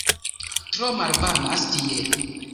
"Tro malvarmas tie!"